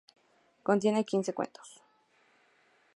Contiene quince cuentos.